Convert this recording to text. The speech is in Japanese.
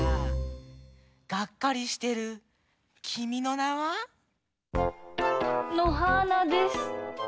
がっかりしてる「君の名は。」？のはーなです。